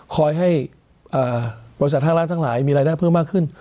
คอยให้บริษัทห้างร้านทั้งหลายมีรายได้เพิ่มมากขึ้น